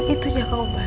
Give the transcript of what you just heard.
sekiranya papa mau berubah